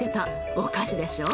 お菓子でしょう。